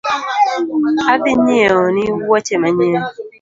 Adhi nyieoni woche manyien